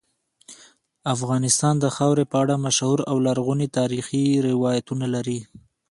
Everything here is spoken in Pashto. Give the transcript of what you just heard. افغانستان د خاورې په اړه مشهور او لرغوني تاریخی روایتونه لري.